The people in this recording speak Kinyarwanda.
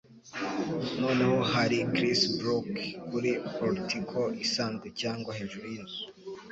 Noneho hari Chris Brooke kuri portico isanzwe cyangwa hejuru yinzu.